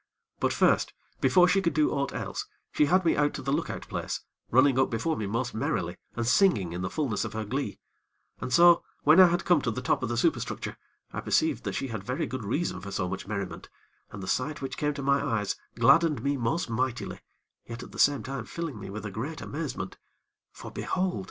But first, before she would do aught else, she had me out to the lookout place, running up before me most merrily and singing in the fullness of her glee, and so, when I had come to the top of the superstructure, I perceived that she had very good reason for so much merriment, and the sight which came to my eyes, gladdened me most mightily, yet at the same time filling me with a great amazement; for, behold!